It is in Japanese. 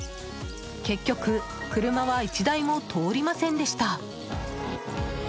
結局、車は１台も通りませんでした。